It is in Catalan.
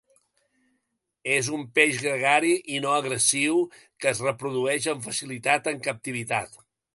És un peix gregari i no agressiu que es reprodueix amb facilitat en captivitat.